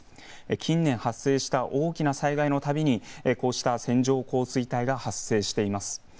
近年発生した大きな災害のたびにこうした線状降水帯が発生しています。